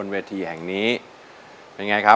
ก็มาเริ่มการแข่งขันกันเลยนะครับ